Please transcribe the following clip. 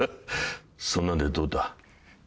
そんなんでどうだ。